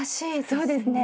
そうですね。